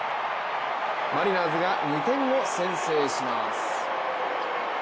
マリナーズが２点を先制します。